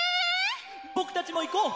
ぼくたちもいこう！